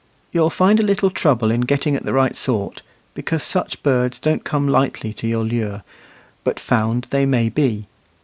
You'll find a little trouble in getting at the right sort, because such birds don't come lightly to your lure; but found they may be.